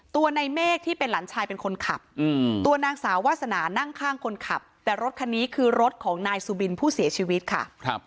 ตัวในเมฆที่เป็นหลานชายเป็นคนขับตัวนางสาววาสนานั่งข้างคนขับแต่รถคันนี้คือรถของนายสุบินผู้เสียชีวิตค่ะ